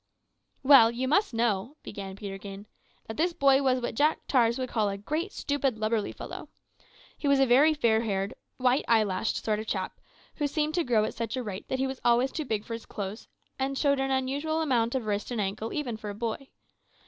"Well, you must know," began Peterkin, "that this boy was what Jack tars would call a `great, stupid, lubberly fellow.' He was a very fair haired, white eyelashed sort of chap, that seemed to grow at such a rate that he was always too big for his clothes, and showed an unusual amount of wrist and ankle even for a boy.